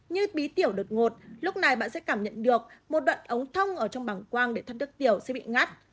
như bí tiểu được ngột lúc này bạn sẽ cảm nhận được một đoạn ống thông ở trong bảng quang để thắt nước tiểu sẽ bị ngắt